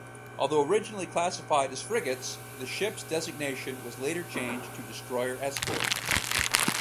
Although originally classified as frigates, the ships' designation was later changed to destroyer escort.